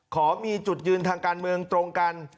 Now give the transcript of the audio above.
ขอมีจุดยืนทางการเมืองตรงกัน